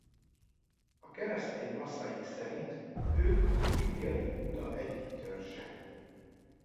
A keresztény maszaik szerint ők a bibliai Júda egyik törzse.